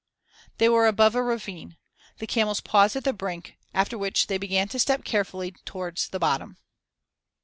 They were above a ravine. The camels paused at the brink; after which they began to step carefully towards the bottom.